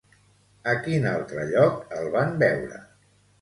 A quin altre lloc el van veure?